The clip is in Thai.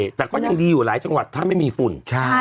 แต่ก็ยังดีอยู่หลายจังหวัดถ้าไม่มีฝุ่น